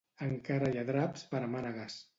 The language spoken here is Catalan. Encara hi ha draps per a mànegues.